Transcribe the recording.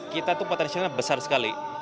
kita itu potensialnya besar sekali